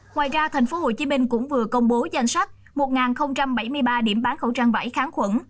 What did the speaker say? ngoài ra tp hcm cũng vừa công bố danh sách một bảy mươi ba điểm bán khẩu trang vải kháng khuẩn